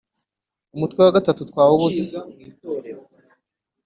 umutwe wa gatatu twawubuze